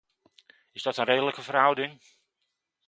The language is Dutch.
Is dat een redelijke verhouding?